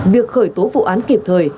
việc khởi tố vụ án kịp thời